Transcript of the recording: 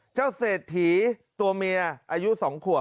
เศรษฐีตัวเมียอายุ๒ขวบ